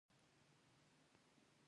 هغوی د پوښتنې ځواب نه ورکاوه.